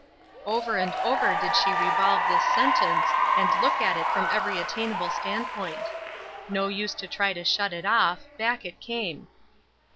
Over and over did she revolve this sentence, and look at it from every attainable standpoint. No use to try to shut it off, back it came.